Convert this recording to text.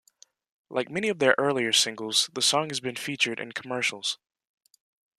Like many of their earlier singles, the song has been featured in commercials.